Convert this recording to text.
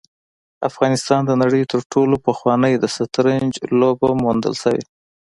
افغانستان د نړۍ تر ټولو پخوانی د شطرنج لوبه موندل شوې